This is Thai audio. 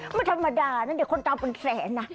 ไม่ธรรมดานะคนตามเป็นแสน